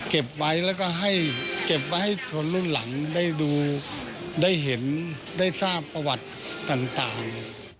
เก็บไว้แล้วก็ให้เก็บไว้ให้คนรุ่นหลังได้ดูได้เห็นได้ทราบประวัติต่าง